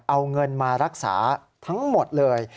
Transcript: เอาเงินมารักษาทั้งหมดเลย